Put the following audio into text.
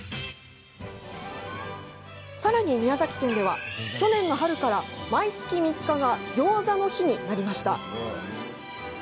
さらに宮崎県では去年の春から毎月３日がギョーザの日になりました。